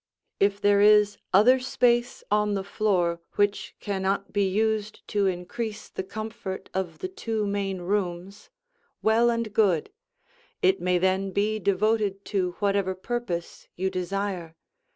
If there is other space on the floor which cannot be used to increase the comfort of the two main rooms, well and good; it may then be devoted to whatever purpose you desire.